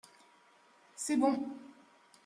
C’est bon.